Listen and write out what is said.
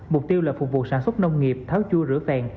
mục tiêu là phục vụ sản xuất nông nghiệp tháo chua rửa phèn